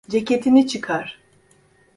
Ceketini çıkar.